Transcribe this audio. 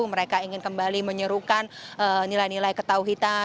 mereka ingin kembali menyuruhkan nilai nilai ketauhidan